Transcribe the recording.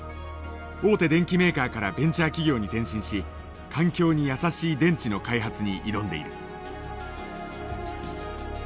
大手電機メーカーからベンチャー企業に転身し環境に優しい電池の開発に挑んでいる。